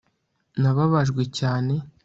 nababajwe cyane